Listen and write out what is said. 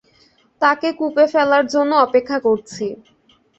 তাকে কূপে ফেলার জন্য অপেক্ষা করছি।